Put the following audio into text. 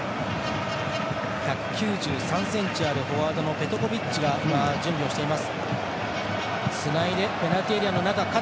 １９３ｃｍあるフォワードのペトコビッチが準備をしています。